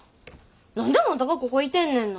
何であんたがここいてんねんな。